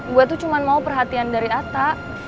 gue tuh cuma mau perhatian dari atta